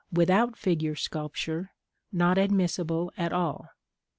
Without figure sculpture, not admissible at all.